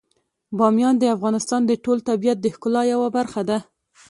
بامیان د افغانستان د ټول طبیعت د ښکلا یوه برخه ده.